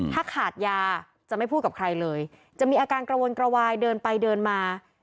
ถ้าขาดยาจะไม่พูดกับใครเลยจะมีอาการกระวนกระวายเดินไปเดินมา